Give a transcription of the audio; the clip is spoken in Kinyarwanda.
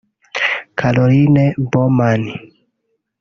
Caroline Baumann